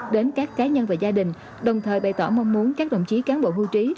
đến các cá nhân và gia đình đồng thời bày tỏ mong muốn các đồng chí cán bộ hưu trí